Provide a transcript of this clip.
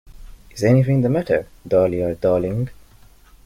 Is anything the matter, Dahlia, darling?